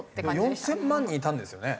でも４０００万人いたんですよね？